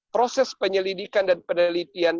proses penyelidikan dan penelitian